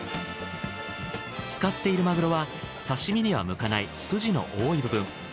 使っているまぐろは刺身には向かない筋の多い部分。